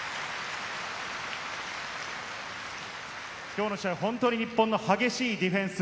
今日の試合、本当に日本の激しいディフェンス。